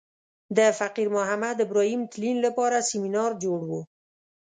د فقیر محمد ابراهیم تلین لپاره سمینار جوړ و.